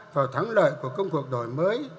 vào thắng lợi của công cuộc đổi mới